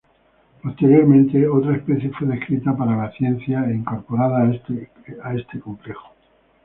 Posteriormente, otra especie fue descrita para la ciencia e incorporada a este complejo.